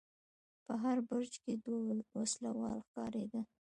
په هر برج کې دوه وسلوال ښکارېدل.